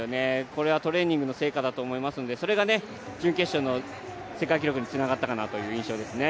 これはトレーニングの成果だと思いますので、それが準決勝の世界記録につながったかなという印象ですね。